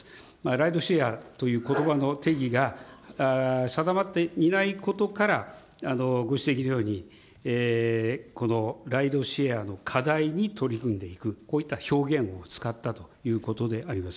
ライドシェアということばの定義が定まっていないことから、ご指摘のように、このライドシェアの課題に取り組んでいく、こういった表現を使ったということであります。